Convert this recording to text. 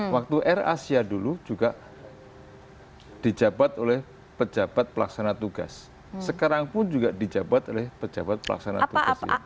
waktu air asia dulu juga dijabat oleh pejabat pelaksana tugas sekarang pun juga dijabat oleh pejabat pelaksana tugas